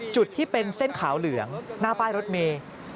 จุดที่เป็นเส้นขาวเหลืองหน้าป้ายรถเมย์